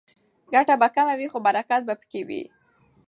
ګټه به کمه وي خو برکت به پکې وي.